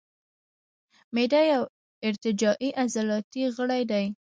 معده یو ارتجاعي عضلاتي غړی دی.